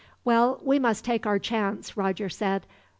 "Well, we must take our chance," Roger said.